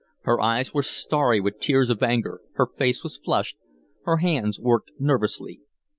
Her eyes were starry with tears of anger, her face was flushed, her hands worked nervously.